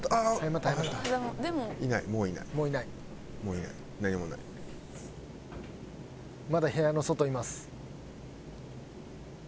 まだ部屋の外います。